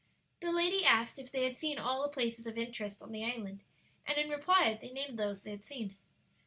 The lady asked if they had seen all the places of interest on the island, and in reply they named those they had seen.